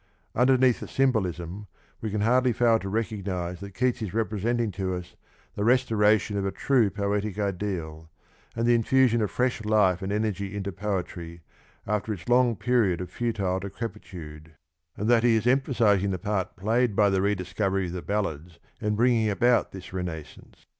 Underneath the symbolism we can hardly fail to recog nise that Keats is representing to us the restoration of a true poetic ideal, and the infusion of fresh life and energy into poetry after its long period of futile decrepi tude, and that he is emphasising the part played by the rediscovery of the ballads in bringing about this renais sance.